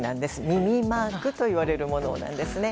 耳マークといわれるものです。